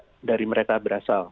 sudah sejak dari mereka berasal